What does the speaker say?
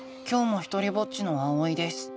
今日もひとりぼっちのあおいです。